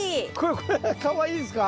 これがかわいいですか？